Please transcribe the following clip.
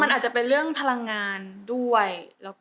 มันอาจจะเป็นเรื่องพลังงานด้วย